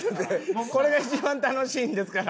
もうこれが一番楽しいんですから。